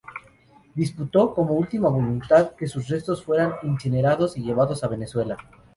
Dispuso, como última voluntad que sus restos fueran incinerados y llevados a Venezuela.